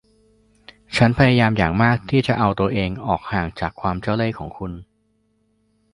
ฉันพยายามอย่างมากที่จะเอาตัวเองออกห่างจากความเจ้าเล่ห์ของคุณ